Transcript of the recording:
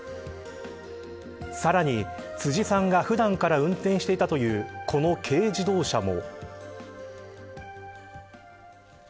さらに、辻さんが普段から運転していたというこの軽自動車も。